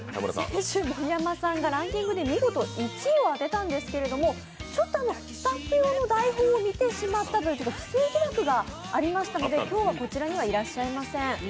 先週、盛山さんが見事１位を当てたんですけどちょっとスタッフ用の台本を見てしまったという不正疑惑がありましたので今日はこちらにはいらっしゃいません。